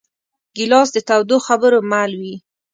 ګیلاس د تودو خبرو مل وي.